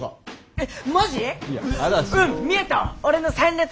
えっ？